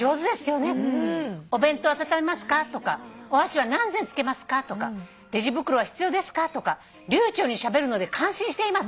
「『お弁当温めますか』とか『お箸は何膳付けますか』とか『レジ袋は必要ですか』とか流ちょうにしゃべるので感心しています。